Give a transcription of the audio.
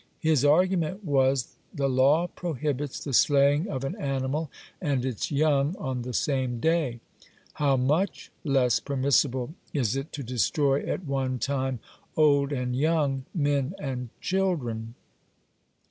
His argument was the law prohibits the slaying of an animal and its young on the same day. How much less permissible is it to destroy at one time old and young, men and children.